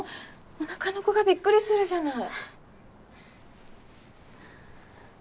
お腹の子がびっくりするじゃない。